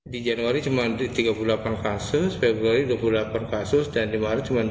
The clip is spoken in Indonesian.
di januari cuma tiga puluh delapan kasus februari dua puluh delapan kasus dan lima hari cuma dua ratus